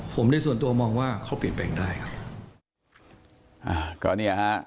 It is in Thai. ผมด้วยส่วนตัวมองว่าเขาเปลี่ยนแปลงได้